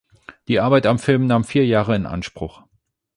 Die Arbeit am Film nahm vier Jahre in Anspruch.